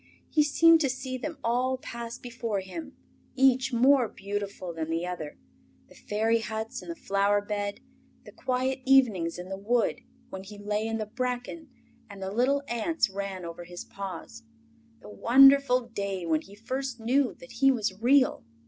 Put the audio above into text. He seemed to see them all pass before him, each more beautiful than the other, the fairy huts in the flower bed, the quiet evenings in the wood when he lay in the bracken and the little ants ran over his paws; the wonderful day when he first knew that he was Real.